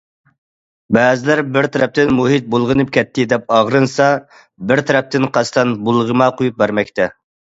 بەزىلەر بىر تەرەپتىن مۇھىت بۇلغىنىپ كەتتى، دەپ ئاغرىنسا، بىر تەرەپتىن قەستەن بۇلغىما قويۇپ بەرمەكتە.